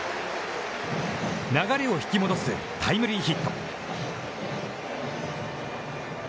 流れを引き戻しタイムリーヒット。